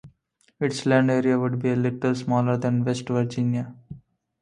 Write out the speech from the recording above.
Its land area would be - a little smaller than West Virginia.